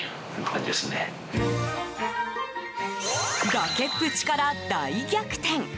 崖っぷちから大逆転。